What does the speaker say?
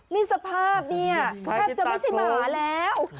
นี่สภาพเนี่ยแทบจะไม่ใช่หมาแล้ว